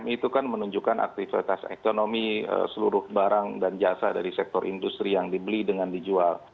itu kan menunjukkan aktivitas ekonomi seluruh barang dan jasa dari sektor industri yang dibeli dengan dijual